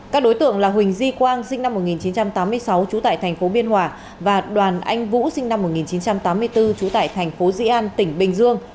các đối tượng là huỳnh di quang sinh năm một nghìn chín trăm tám mươi sáu trú tại tp biên hòa và đoàn anh vũ sinh năm một nghìn chín trăm tám mươi bốn trú tại tp di an tỉnh bình dương